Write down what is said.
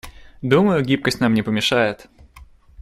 Думаю, гибкость нам не помешает.